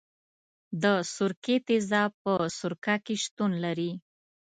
د سرکې تیزاب په سرکه کې شتون لري.